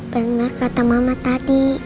bener kata mama tadi